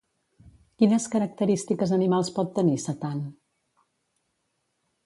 Quines característiques animals pot tenir Satan?